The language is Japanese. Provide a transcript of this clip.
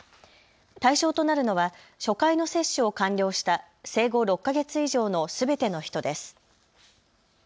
対象となるのは初回の接種を完了した生後６か月以上のすべての人です。